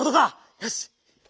よし！